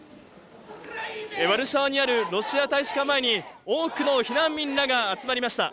ワルシャワにあるロシア大使館前に、多くの避難民らが集まりました。